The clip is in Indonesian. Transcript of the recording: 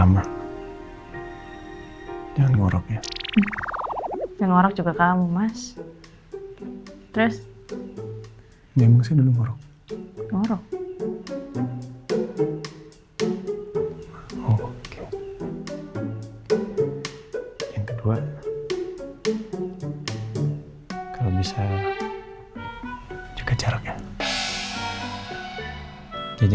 mbak cemburu ya sama rendy